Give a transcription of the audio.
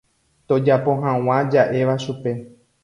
tojapo hag̃ua ja'éva chupe.